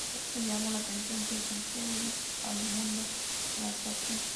Esto llamó la atención de Santiago al mundo de la actuación.